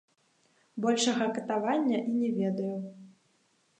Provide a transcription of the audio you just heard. Большага катавання і не ведаю.